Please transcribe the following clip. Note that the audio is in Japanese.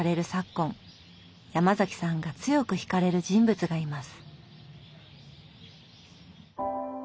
ヤマザキさんが強くひかれる人物がいます。